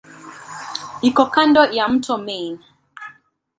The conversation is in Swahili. Iko kando ya mto Main.